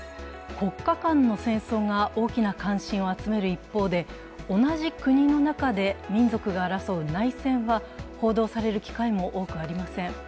国家間の戦争が大きな関心を集める一方で同じ国の中で民族が争う内戦は報道される機会も多くありません。